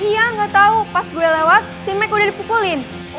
iya nggak tau pas gue lewat si mike udah dipukulin